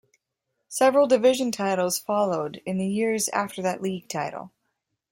Several division titles followed in the years after that league title.